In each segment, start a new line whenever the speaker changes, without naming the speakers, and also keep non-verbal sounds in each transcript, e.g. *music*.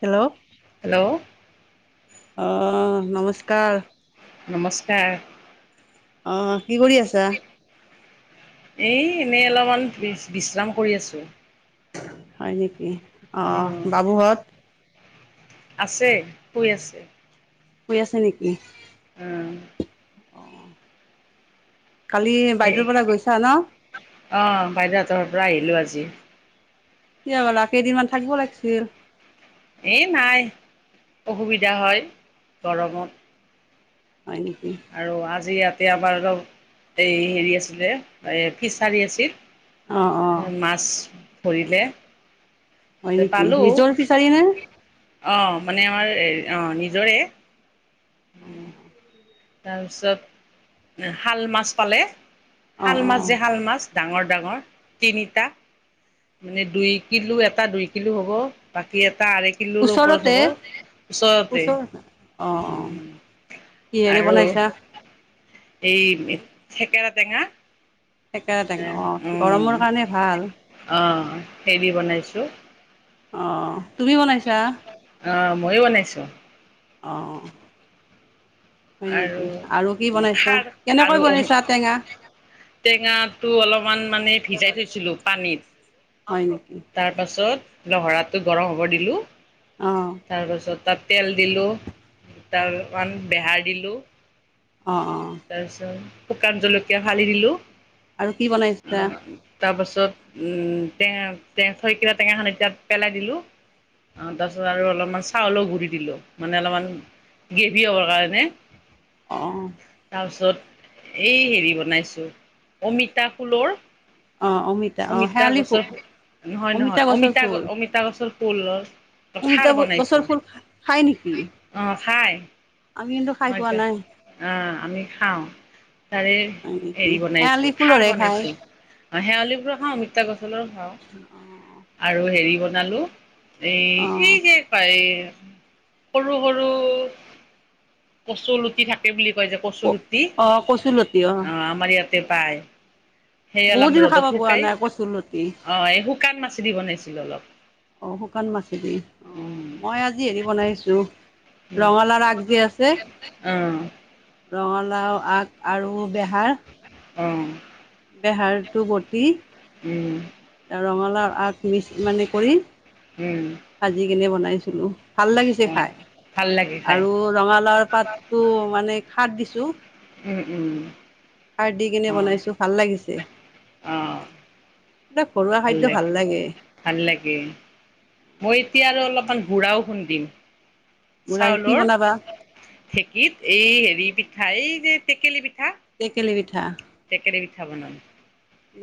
Hello
hello
অ', নমস্কাৰ।
নমস্কাৰ।
অ', কি কৰি আছা?
এই, এনেই অলপমান বিচ, বিশ্ৰাম কৰি আছোঁ।
হয় নেকি? অ',
অঁ
বাবুহঁত?
আছে, শুই আছে।
শুই আছে নেকি?
উম।
অ', কালি বাইদেউৰ পৰা গৈছা ন?
অ', বাইদেউহঁতৰ পৰা আহিলো আজি।
কিয়া গ'লা, কেইদিনমান থাকিব লাগিছিল।
এ নাই, অসুবিধা হয়, গৰমত।
হয় নেকি?
আৰু আজি ইয়াত এয়া আমাৰ অলপ, এই হেৰি আছিলে, এই ফিছাৰী আছিল।
অ' অ'
এইয়া মাছ ধৰিলে।
হয়
তাতে
নেকি?
পালোঁ
নিজৰ ফিচাৰী নে?
অঁ মানে আমাৰ, এই অ' নিজৰে। উম। তাৰপিছত, শাল মাছ পালে।
অ'
শাল মাছ
অ'
যে, শাল মাছ। ডাঙৰ ডাঙৰ, তিনিটা, মানে দুই কিলো এটা দুই কিলো হ'ব, বাকী এটা টা আঢ়ৈকিলোৰ ওপৰত
ওচৰতে
হ'ব, ওচৰতে,
ওচৰ অ' অ'
উম।
কিহেৰে
আৰু
বনাইছা?
এই থেকেৰা টেঙা
থেকেৰা ঠেঙা, অ',
উম
গৰমৰ কাৰণে ভাল।
অঁ হেৰি বনাইছো।
অ', তুমি বনাইছা?
অ', মই বনাইছোঁ।
অ'। হয় নেকি কি
আৰু
বনাইছা?
খাৰ
কেনেকৈ
আৰু অমি
বনাইছা টেঙা
টেঙাটো অলপমান মানে ভিজাই থৈছিলোঁ পানীত,
হয় নেকি?
তাৰ পাছত লহৰাটো গৰম হ'ব দিলোঁ।
অ'
তাৰ পাছত তাত তেল দিলোঁ। তাৰ মান বেহাৰ দিলোঁ।
অ', অ',
তাৰপিছত শুকান জলকীয়া ফালি দিলোঁ।
আৰু কি বনাই ছাঁ?
তত উম টেঙা টেঙ থৈকা টেঙাখন এতিয়া পেলাই দিলোঁ। অ তাৰপিছত আৰু অলপমান চাউলৰ গুৰি দিলোঁ, মানে অলপমান গ্ৰেভি হ'বৰ কাৰণে
অ
তাৰপাছত এই হেৰি বনাইছোঁ। অমিতা ফুলৰ
অ', অ',
অমিতা
শেৱালি ফু
গছৰ নহয়, নহয়।
গছৰ
অমিতা
ফুল
গ অমিতা গছৰ ফুলৰ খাৰ
অমিতা গ গছৰ ফুল খা খায় নেকি?
খায়।
আমি কিন্তু খাই
আমাৰ
পোৱা নাই
ইয়াতে অ আমি খাওঁ। তাৰে
হয় নেকি
হেৰি
শেৱালি
বনাইছোঁ, খাৰ
ফুলৰহে খায়
বনাইছোঁ। শেৱালি ফুলৰ খাওঁ, অমিতা গছৰো খাওঁ আৰু হেৰি বোৰ বনালো। এই সেই
অ',
যে পাই সৰু সৰু কচু লুটি থাকে বুলি কয় যে কচু লুটি
অ', কচুলতি
অ আমাৰ ইয়াত যে পায়। সেই
বহুত
অলপ
দিন খাব
ৰ'দত
পোৱা
শুকাই
নাই কচুৰ লতি।
অ' এই শুকান মাছেদি বনাইছিলো অলপ
অ শুকান মাছেদি, অ
উম।
মই আজি হেৰি বনাইছোঁ
উম,
ৰঙালাওৰ আগ যে আছে,
অ',
ৰঙালাও আগ আৰু বেহাৰ
অ
বেহাৰটো বতি
উম,
ৰঙালা ৰ আগ মিক্স মানে কৰি
উম,
ভাজি কেনে বনাইছোঁ। ছিলোঁ। ভাল লাগিছে
অ'।
খাই
ভাল লাগে খাই
আৰু ৰঙালাওৰ পাতটো মানে সাৰ দিছো
ওম ওম
খাৰ দি কেনে বনাইছো ভাল লাগিছে
অহ
এইবিলাক ঘৰুৱা
ভাল
খাদ্য
লাগে ভাল লাগে মই এতিয়া আৰু অলপমান ঘুঢ়াও খুন্দিম
মোৰ আৰু কি
চাউলৰ
বনাবা
ঢেকীত এই হেৰি পিঠা সেই যে টকেলি পিঠা
তেকেলি পিঠা
টেকেৰে পিঠা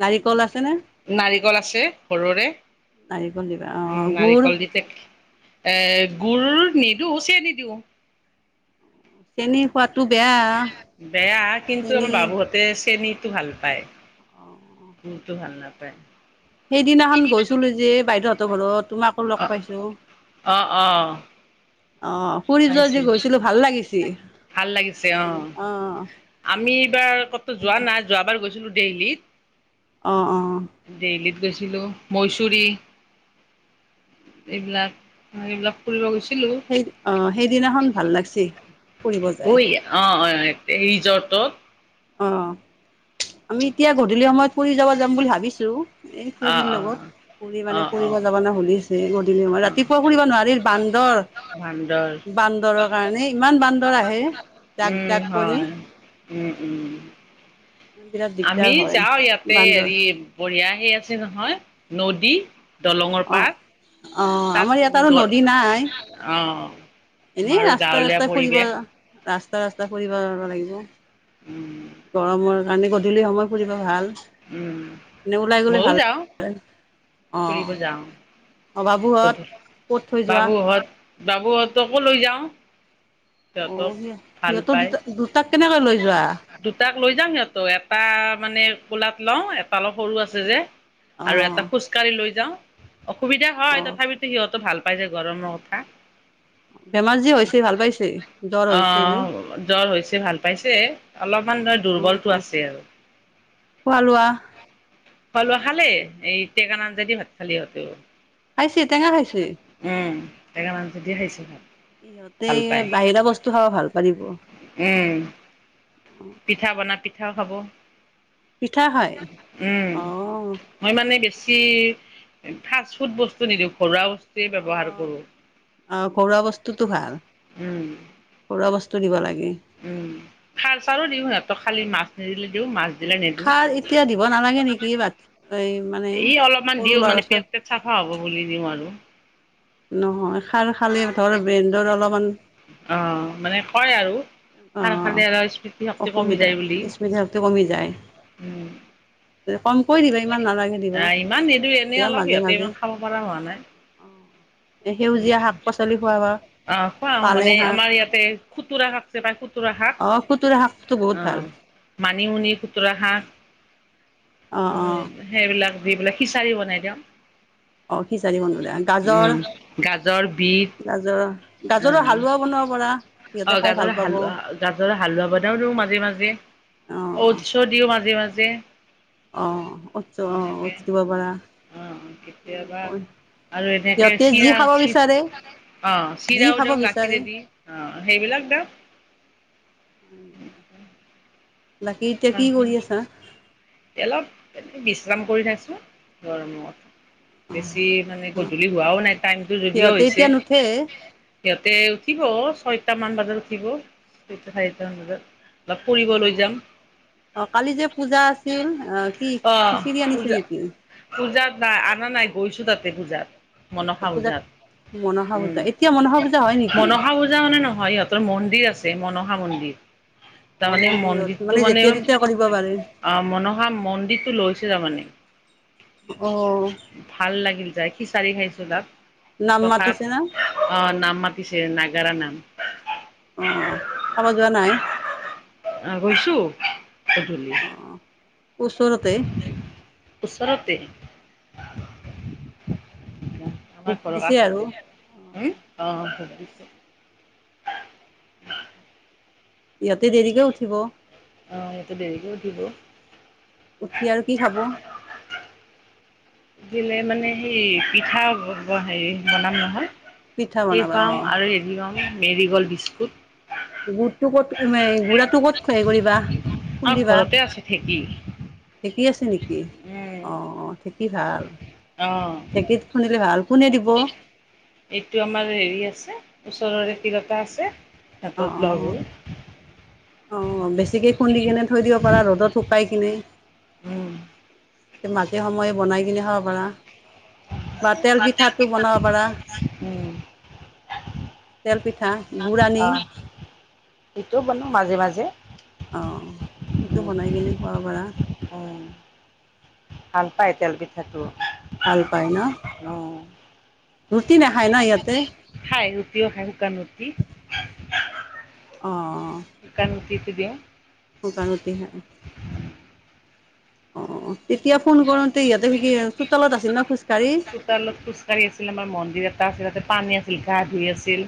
নাৰিকল আছেনে
নাৰিকল আছে ঘৰৰে
নাৰিকল দিবা
উম
অঁ গুড়
নাৰিকল দি এ গুৰ নিদিওঁ চেনি দিওঁ
চেনী খোৱটো বেয়া
বেয়া কিন্তু আমাৰ
চেনী
বাবুহঁতে চেনীটো ভাল পায় গুৰতো ভাল নাপায়
সেইদিনাখন গৈছিলো যে বাইদেউহঁতৰ ঘৰত তোমাকো লগ
অ'
পাইছো
পাইছে ভাল লাগিছে অ
অঁ
আমি এইবাৰ কতো যোৱা নাই যোৱাবাৰ গৈছিলো ডেইলিত
অ অ
ডেইলিত গৈছিলো মৈচুৰী এইবিলাক এইবিলাক ফুৰিব গৈছিলো
সেই অঁ সেইদিনাখন ভাল লাগছি ফুৰিব যায়
ঐ অ অ ৰিজৰ্টটো
অহ আমি এতিয়া গধূলি সময়ত ফুৰি যাব যাম বুলি ভাবিছো এই পুৰীৰ
অ'
লগত
অ'
পুৰি মানে
অ'
ফুৰিব
অ'
যাব নে শুলছে গধূলি
অ'
ৰাতিপুৱা ফুৰিব নোৱাৰি বান্দৰ
ভান্দৰ
বান্দৰৰ কাৰণে ইমান বান্দৰ আহে জাক
উম
জাক কৰি
হয় উম উম
বিৰাট
আমি
দিগদাৰ হয়
যাও ইয়াতে
বান্দৰ
হেৰি বঢ়িয়া হে আছে নহয় নদী দলঙৰ
অ
পাত
অ
তাত
আমাৰ ইয়াত আৰু
ঘৰ
নদী নাই
অ
এনেই ৰাস্তাই ৰাস্তাই ফুৰিব ৰাস্তা ৰাস্তা ফুৰিব যাব লাগিব
উম
গৰমৰ মানে গধূলি সময় ফুৰিব ভাল
উম,
এনে ওলাই গ'লে
মইয়ও
ভাল
যাও, ফুৰিব যাও।
অভাবহত ক'ত থৈ যোৱা?
বাবুহঁতকো লৈ যাও।
অ
সিহঁতক
সি
ভাল
সিহঁতৰ
পাই
দুটা দুটাক কেনেকৈ লৈ যোৱা
দুটাক লৈ যাম সিহঁতক এটা মানে কোলাত লওঁ, এটা অলপ সৰু আছে যে।
অ
আৰু এটা খোজকাঢ়ি লৈ যাওঁ। অসুবিধা হ
অ
তথাপিতো সিহঁতো ভাল পাই যে ঘৰমৰ কথা।
বেমাৰ যে হৈছে ভাল পাইছে জ্বৰ হৈছে যে
অহ, জ্বৰ হৈছে ভাল পাইছে, অলপমান ধৰ
অ
দুৰ্বলটো
অ
আছে আৰু।
খোৱা লোৱা?
খোৱা লোৱা খালে, এই টেকাৰ আঞ্জদি ভাত খালে সিঁহতে।
খাইছি, টেঙা খাইছি।
টেকাৰ আঞ্জদি খাইছে।
ইহঁতে
ভাল পায়
বাহিৰা বস্তু খাব ভাল পাৰিব।
উম পিঠা বনাত পিঠাও খাব।
পিঠা খায়
উম,
অ
মই মানে বেছ কি ফাষ্ট-ফুড বস্তু নিদিওঁ, ঘৰুৱা বস্তু
অ', আহ, ঘৰুৱা বস্তুটো ভাল
উম
ঘৰুৱা বস্তু। দিব লাগে।
উম, খাৰ চাৰো দিওঁ সিহঁতক খালি মাছ নিদিলে দিওঁ, মাছ দিলে নেদিওঁ,
খাৰ এতিয়া দিব নালাগে নেকি বাট মানে
এই, অলপমান
সৰু
দিওঁ
ল'ৰা
মানে
ছোৱালী
পেট-চেট চাফা হব বুলি দিওঁ আৰু।
নহয়। খাৰ খালে ধৰ বেন্দৰ অলপমান *inaudible*
অ', মানে কয় আৰু।
অ
খাৰ খালে আৰু স্মৃতি শক্তি কমি
অসুবিধা
যায় বুলি,
স্মৃতিশক্তি কমি যায়
উম।
কমকৈ দিবা ইমান নালাগে দিবা
আহ ইমান নিদো এনেই
এতিয়া
অলপ
মাজে
সিহঁতে
মাজে
ইমান খাব পৰা হোৱা নাই।
সেউজীয়া শাক পাচলি খোৱাবা
আহ কোৱা মানে
পালেং শাক
আমাৰ ইয়াতে খুতুৰা খাক খুতুৰা শাক,
অ খুতুৰা শাকটো বহুত ভাল
অ' মানিমুনি খুতৰা শাক
অ
উম,
অ
সেইবিলাক দি বোলে, খিচাৰি বনাই দেওঁ।
অ', খিচাৰি বনালে গাজৰ
গাজৰ, বিট
গাজৰ গাজৰৰ
আহ
হালোৱা বনাব পৰা।
অ গাজৰৰ হালোৱা গাজৰৰ হালোৱা বনাও দিও মাজে- মাজে অটছো দিওঁ মাজে মাজ -মাজে।
অ অটছ অ অটছ দিব পাৰা
অ কেতিয়াবা
তেনেকৈ
আৰু এনেকে
সিহঁতে যি
চিৰা
খাব বিচাৰে
অ
যি
চিৰাও
খাব
দিওঁ
বিচাৰে
গাখিৰেদি অ। সেইবিলাক দাম।
আৰু *inaudible* বাকী এতিয়া কি কৰি আছা?
অলপ এনে বিশ্ৰাম কৰি থাইছো গৰমত। বেছি মানে গধূলি হোৱাও নাই টাইমতটো যদিও
সিহঁতে
হৈছে।
এতিয়া নুঠে
সিহঁতে উঠিব ছয়টা মান বাজাত উঠিব ছয়টা চাৰিটা মান বজাত। অলপ ফুৰিব
অ
লৈ যাম
অ কালি যে পূজা আছে ছিল অ কি
অ
খিচিৰি আনিছে
পূজা
নেকি
পূজা নাই আনা নাই গৈছো তাতে পূজাত মনসা পূজাত
মনসা
উম
পূজা এতিয়া মনসা পূজা হয় নেকি?
মনসা পূজা মানে নহয় সিহঁতৰ মন্দিৰ আছে মনসা মন্দিৰ। উ *inaudible*
অ
তাৰমানে
মন্দিৰত
মন্দিৰটো মানে
যেতিয়া তেতিয়া কৰিব পাৰে
অ মনসা মন্দ টো লৈছে টাৰ মানে।
হয়।
ভাল লাগিল যায়। খিচাৰি খাইছো তাত।
নাম মাতিছে না
প্ৰসাদ অ নাম মাতিছে ন নাগাৰা নাম।
আহ চাব যোৱা নাই?
আহ গৈছোঁ গধুলি।
অ ওচৰতে
ওচৰতে।
ভোক
আমাৰ ঘৰৰ
দিছে আৰু
কাষতে হ অ। *inaudible*
ইহঁতে দেৰিকে উঠিব
অহ, ইয়াতে দেৰিকে উঠিব।
উঠি আৰু কি খাব?
দিলে মানে সেই পিঠা ব-ব-হেৰি বনাম নহয়।
পিঠা
সেই
বনাবা অ
পাম আৰু হেৰি পাম। Marie Gold biscuit.
গুড়টো ক'ত এই গুড়টো ক'ত খুৱাই কৰিবা?
আপ ঘৰতে আছে ঢেঁকী।
কি আছে নেকি? অ অ খেতি ভাল।
অ
ঢেঁকীত খুন্দিলে ভাল কোনে দিব
এইটো আমাৰ হেৰি আছে ওচৰৰে তিৰোতা আছে
অ অ
হেতত লগ হয়
অ বেছিকে খুন্দি কিনে থৈ দিব পাৰা ৰ'দত শুকাই কিনে।
উম
মাজে সময়ে বনাই কিনে খাব পাৰা। বা তেল পিঠাতো বনাব পাৰা গুৰ আনি।
এইটোও বনোও মাজে মাজে
অ সেতু
উম
বনাই কিনে খোৱাব পাৰা
উম ভাল পাই তেল পিঠাটো।
ভাল পায় ন
উম।
ৰুটি নাখায় ন ইহতে
কিয় খায় শুকান ৰুটি
অ'।
এতিয়া
শুকান ৰুটি খাই। অ'। এতিয়া ফোন কৰাওতে ইহতে কি চোতালত আছিল ন খোজকাাঢ়ি
চোতালত খোজকাঢ়ি আছিল আমাৰ মন্দিৰ এটা আছিল তাতে পানী আছিল গা ধুই আছিল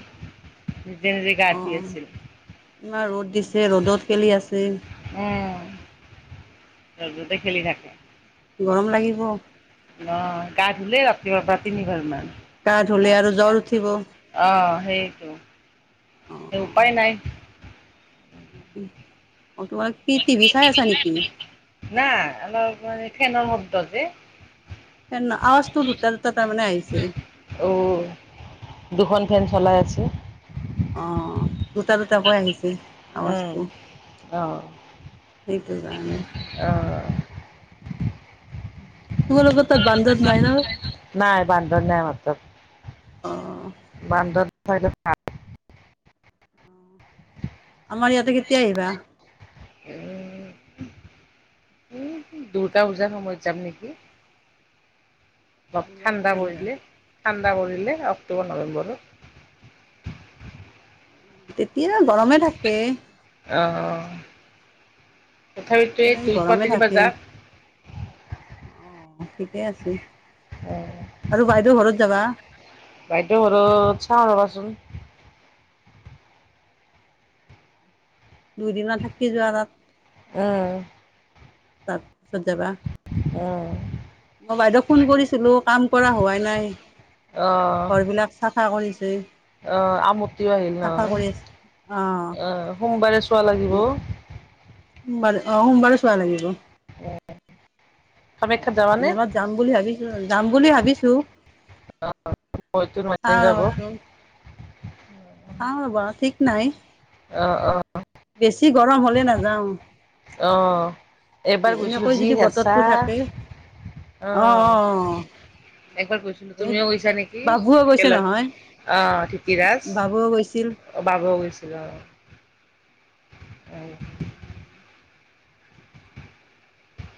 নিজে নিজে গা ধুই
অহ
আছিল।
ইমান ৰ'দ দিছে ৰ'দত খেলি আছে
উম। ৰদতে খেলি থাকে।
গৰম লাগিব।
অ গা ধুলে ৰাতিপুৱাৰ পৰা তিনিবাৰ মান।
গা ধুলে আৰু জ্বৰ উঠিব।
অ' সেইটো উপায় নাই
*inaudible* কি টিভি চাই আছা নেকি
না অলপ মান ফেনৰ শব্দজে
ফেন আৱাজটো দুটা দুটা তাৰমানে আহিচে ছে।
ও দুখন ফেন চলাই আছে।
অ দুটা দুটাকৈ আহিছে।
উম
আৱাজটো
অ'।
সেইটো কাৰণে।
অ'।
তোমালোকৰ তাত বান্দৰ নাই ন?
নাই বান্দৰ নাই আমাৰ তাত,
অহ',
*unintelligible* উ *inaudible*
আমাৰ ইয়াতে কেতিয়া আহিবা।
উম', - উম', দূৰ্গা পূজাৰ সময়ত যাম নেকি? অলপ
দুৰ্গা পূজাত
ঠাণ্ডা
আহিবা।
পৰিলে। ঠাণ্ডা ন কৰিলে অক্টোবৰ নৱেম্বৰত।
তেতিয়া গৰমে থাকে।
অহ ', - অহ ', তথাপিতো এই
তেনেকে
দুই পৰা
গৰমে
তিনি
থাকে।
বজাত।
অ', ঠিকে আছে।
অহ ',
বাইদেউ আৰু ঘৰত যাবা?
বাইদো ঘৰত চাওঁ ৰবাচোন।
দুইদিন থাকি যোৱা তাত।
উম
তাত পিছত যাবা
উম
মই বাইদেউক ফোন কৰিছিলো কাম কৰা হোৱাই নাই।
আহ
ঘৰ বিলাক চাফা কৰিছে
আহ আমতিও আহিল
চাফা
নহয়
কৰি আছ অহ
আহ সোমবাৰে চোৱা লাগিব
', সোমবাৰে অহ ', সোমবাৰে চোৱা লাগিব।
কামাখ্যাত যাবানে
মেলত যাম বুলি ভাবিছো- যাম বুলি ভাবিছো
মইতো নোৱাৰিম
চাও
যাব
ৰবাচোন। চাওঁ ৰবা ঠিক নাই।
অহ ', - অহ ', অহ
বেছি গৰম হ'লে নাযাওঁ।
', এইবাৰ গৈছিলো
এনেকৈ
যি
যদি
হেচা
বতৰটো থাকে অ
অহ
অ
', একবাৰ গৈছিলো।
এই
তুমিও গৈছা নেকি?
বাবুও গৈছে
একেলগ
নহয়
অহ ', ধিতিৰাজ
বাবুও গৈছিল
বাবুও গৈছা। অহ ',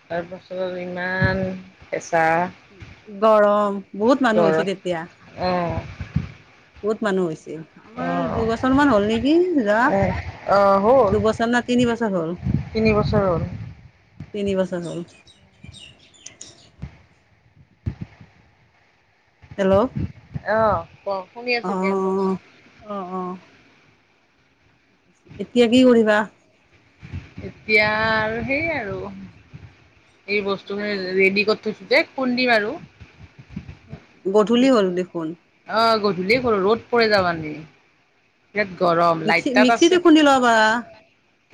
তাৰ পাছত ইমান হেঁচা
গৰম বহুত মানুহ
গৰ
হৈছে তেতিয়া
অ',
বহুত মানুহ হৈছে। আমাৰ
অ',
দুবছৰ মান হ'ল নেকি যাৱা
এ অ', হ'ল
দুবছৰ না তিনি বছৰ হল।
তিনি বছৰ হ'ল
তিনিবছৰ হল। হেল্ল',
অহ ', ক? শুনি
অ
আছো দিয়া কোৱা।
অ অ এতিয়া কি কৰিবা?
এতিয়া আৰু সেই আৰু এই বস্তু মানে ৰেডি *unintelligible* আৰু।
গধূলি হ'ল দেখোন।
-ধূলি হ'ল ৰ'দ পৰিলে *unintelligible* বিৰাট গৰম লাইট
মিক্সি
তাত আছে,
মিক্সিতে খুন্দি ল'ব পাৰা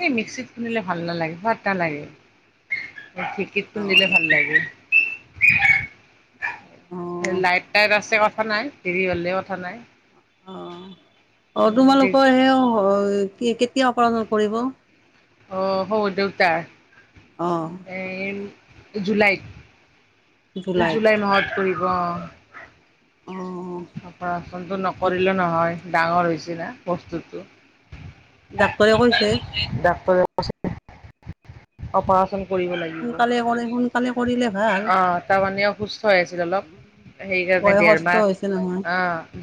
এই মিক্সিত খুন্দিলে ভাল নালাগে নালাগে। ঢেঁকীত খুন্দিলে ভাল
অ
লাগে। লাইট টাইট আছে কথা নাই, দেৰি হ'লে কথা নাই।
অ' অ' তোমালোকৰ সেই কেতিয়া *unintelligible* কৰিব।
অ' শহুৰ
অ
দেউতাৰ এই জুলাইত। জুলাই
জুলাইত
মাহত কৰি ব অ'।
অ হয়
অপাৰেশ্যনটো
নেকি
নকৰিলে নহয়। ডাঙৰ হৈছে না বস্তুটো।
ডাক্তৰে কৈছে
ডাক্তৰে *unintelligible* অপাৰেশ্যন কৰিব লাগিব।
সোনকালে কৰি সোনকালে কৰিলে ভাল
অঁ তাৰমানে অসুস্থ হৈ আছিল অলপ, সেইকাৰণে দেৰ
বয়সস্থ
মাহ,
হৈছে নহয়
অঁ।